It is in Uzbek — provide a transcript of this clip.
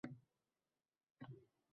Kola ichasanmi yo fanta?